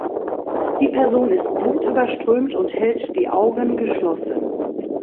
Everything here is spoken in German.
Die Person ist blutüberströmt und hält die Augen geschlossen.